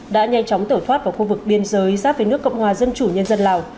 đã nhanh chóng tở thoát vào khu vực biên giới giáp với nước cộng hòa dân chủ nhân dân lào